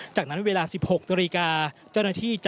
จากนั้นเวลา๑๖นาที